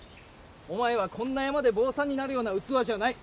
お前はこんな山で坊さんになるような器じゃない。